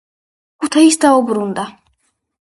და ქუთაისს დაუბრუნდა.